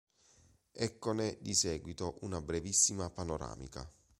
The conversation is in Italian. Eccone di seguito una brevissima panoramica.